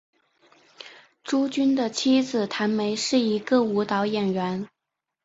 朱军的妻子谭梅是一个舞蹈演员。